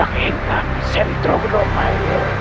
aku ingin membuatmu menjadi seorang yang baik